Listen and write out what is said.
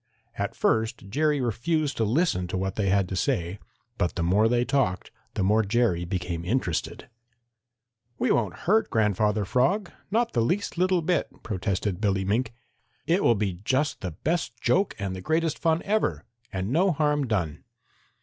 At first Jerry refused to listen to what they had to say, but the more they talked the more Jerry became interested. "We won't hurt Grandfather Frog, not the least little bit," protested Billy Mink. "It will be just the best joke and the greatest fun ever, and no harm done."